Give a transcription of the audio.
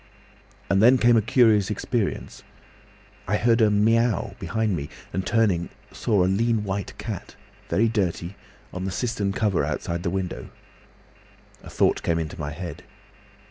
"And then came a curious experience. I heard a miaow behind me, and turning, saw a lean white cat, very dirty, on the cistern cover outside the window. A thought came into my head.